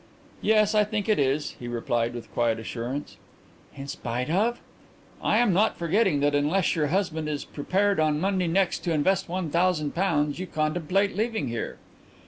"Yes; I think it is," he replied, with quiet assurance. "In spite of ?" "I am not forgetting that unless your husband is prepared on Monday next to invest one thousand pounds you contemplate leaving here."